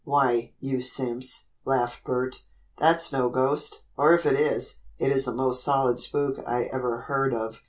"Why, you simps," laughed Bert, "that's no ghost, or if it is, it is the most solid spook I ever heard of.